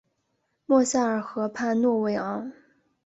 莫塞尔河畔诺韦昂。